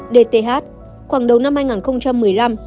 dth khoảng đầu năm hai nghìn một mươi năm